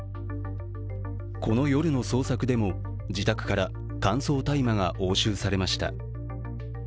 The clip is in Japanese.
この夜の捜索でも自宅から乾燥大麻が押収されました。